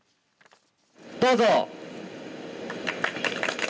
どうぞ。